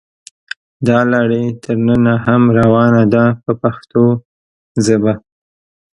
دا لړۍ تر ننه هم روانه ده په پښتو ژبه.